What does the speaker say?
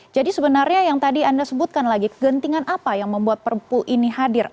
jadi sebenarnya yang tadi anda sebutkan lagi kegentingan apa yang membuat perpu ini hadir